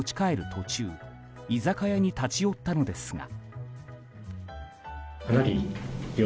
途中居酒屋に立ち寄ったのですが。